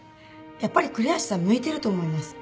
やっぱり栗橋さん向いてると思います。